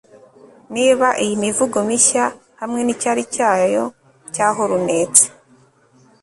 niba iyi mivugo mishya - hamwe n 'icyari cyayo cya hornets e